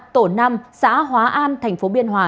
tổ năm xã hóa an thành phố biên hòa